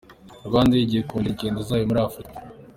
RwandAir igiye kongera ingendo zayo muri Afurika